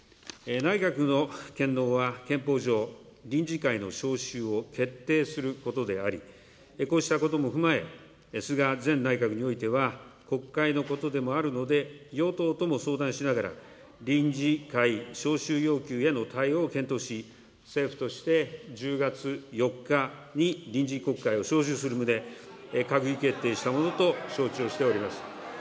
内閣の権能は、憲法上、臨時会の召集を決定することであり、こうしたことも踏まえ、菅前内閣においては、国会のことでもあるので、与党とも相談しながら、臨時会召集要求への対応を検討し、政府として１０月４日に臨時国会を召集する旨、閣議決定したものと承知をしております。